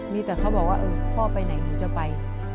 มีแต่เขาบอกว่าพ่อไปไหนหนูจะไป